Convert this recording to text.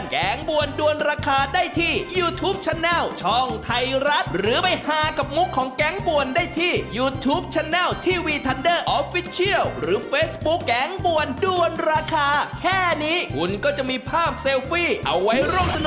ใครที่ดูรายการวันนี้ไม่ทันหรือเซลฟฟี่